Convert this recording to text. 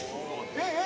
えっ？